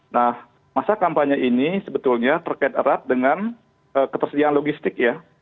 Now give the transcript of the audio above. nah masa kampanye ini sebetulnya terkait erat dengan ketersediaan logistik ya